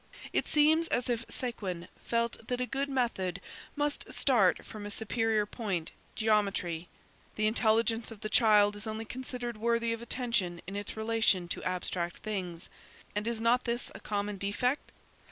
It seems as if Séguin felt that a good method must start from a superior point, geometry; the intelligence of the child is only considered worthy of attention in its relation to abstract things. And is not this a common defect?